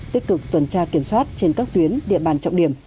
tích cực tuần tra kiểm soát trên các tuyến địa bàn trọng điểm